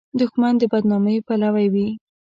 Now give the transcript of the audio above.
دښمن د بد نامۍ پلوی وي